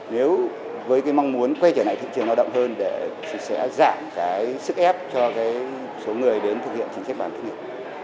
nếu với cái mong muốn quay trở lại thị trường lao động hơn để sẽ giảm cái sức ép cho cái số người đến thực hiện chính sách bảo hiểm thất nghiệp